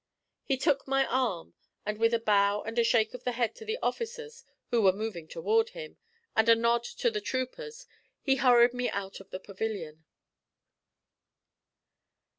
He took my arm, and with a bow and a shake of the head to the officers, who were moving toward him, and a nod to the troopers, he hurried me out of the pavilion.